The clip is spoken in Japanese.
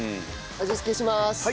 味つけします。